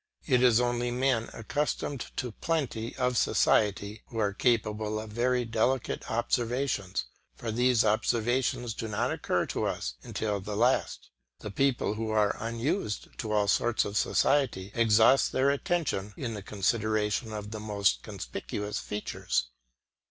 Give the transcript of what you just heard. It is only men accustomed to plenty of society who are capable of very delicate observations, for these observations do not occur to us till the last, and people who are unused to all sorts of society exhaust their attention in the consideration of the more conspicuous features.